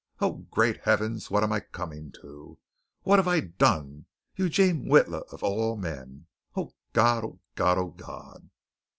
Oh, great Heavens, what am I coming to? What have I done? Eugene Witla of all men! Oh, God, oh, God, oh, God!"